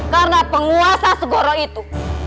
karena penguasa segoro itu